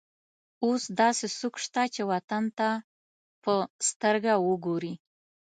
اوس داسې څوک شته چې وطن ته په سترګه وګوري.